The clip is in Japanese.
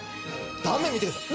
断面見てください。